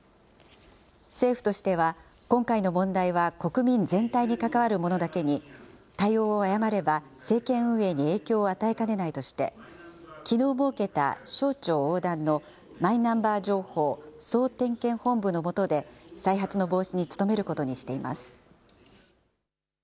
政府としては今回の問題は国民全体に関わるものだけに、対応を誤れば、政権運営に影響を与えかねないとして、きのう設けた省庁横断のマイナンバー情報総点検本部の下で、再発の防止に努めることにしています。